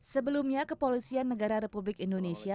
sebelumnya kepolisian negara republik indonesia